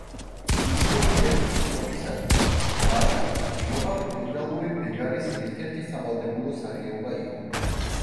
იმდროინდელი გლეხობისათვის ლაშქარ-ნადირობა ფეოდალური ბეგარის ერთ-ერთი სავალდებულო სახეობა იყო.